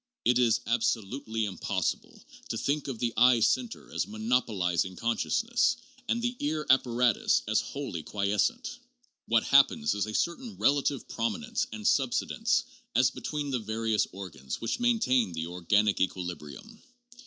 It is ab solutely impossible to think of the eye center as monopolizing consciousness and the ear apparatus as wholly quiescent. What happens is a certain relative prominence and subsidence as between the various organs which maintain the organic equilibrium.